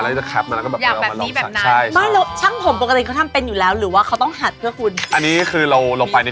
แล้วทุกครั้งเราเป็นคนดีไซน์เองหรือว่าช่างตัวผมเป็นคนดีไซน์ให้